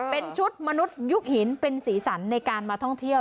เป็นชุดมนุษยุคหินเป็นสีสันในการมาท่องเที่ยว